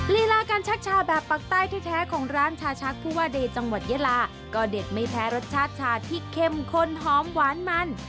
ลีลาการชักชาแบบปักใต้แท้ของร้านชาชักผู้ว่าเดย์จังหวัดยาลาก็เด็ดไม่แพ้รสชาติชาที่เข้มข้นหอมหวานมัน